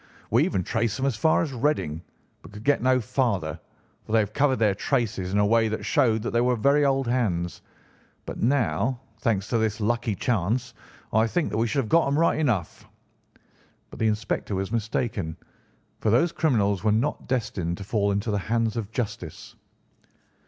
We even traced them as far as Reading, but could get no farther, for they had covered their traces in a way that showed that they were very old hands. But now, thanks to this lucky chance, I think that we have got them right enough." But the inspector was mistaken, for those criminals were not destined to fall into the hands of justice.